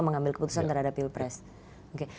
mengambil keputusan terhadap pilpres oke